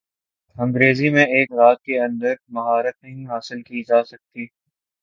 انگریزی میں ایک رات کے اندر مہارت نہیں حاصل کی جا سکتی